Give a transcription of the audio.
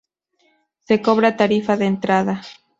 Se cobra tarifa de entrada.